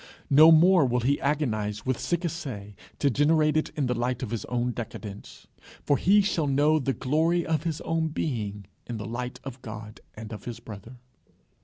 No more will he agonize "with sick assay" to generate it in the light of his own decadence. For he shall know the glory of his own being in the light of God and of his brother.